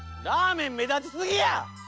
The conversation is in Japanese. ラーメンめだちすぎや！